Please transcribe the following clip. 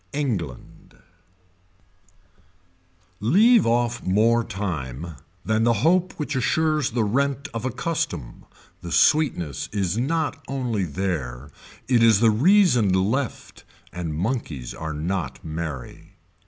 ENGLAND Leave off more time than the hope which assures the rent of a custom, the sweetness is not only there it is the reason left and monkeys are not merry.